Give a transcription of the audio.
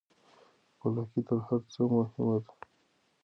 خپلواکي تر هر څه مهمه ده.